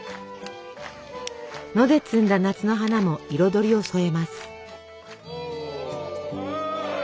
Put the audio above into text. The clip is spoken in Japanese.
野で摘んだ夏の花も彩りを添えます。